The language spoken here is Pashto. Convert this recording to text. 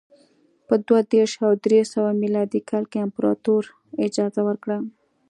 په دوه دېرش او درې سوه میلادي کال کې امپراتور اجازه ورکړه